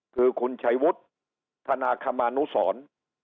คือคุณชัยวุฒิธนาคมานุสร